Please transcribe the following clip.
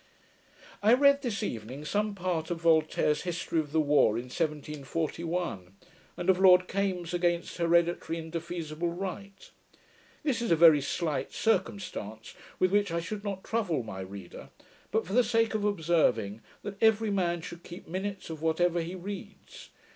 I read this evening some part of Voltaire's History of the War in 1741, and of Lord Kames against Hereditary Indefeasible Right. This is a very slight circumstance, with which I should not trouble my reader, but for the sake of observing, that every man should keep minutes of whatever he reads.